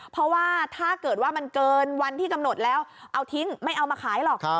เพราะว่าถ้าเกิดว่ามันเกินวันที่กำหนดแล้วเอาทิ้งไม่เอามาขายหรอก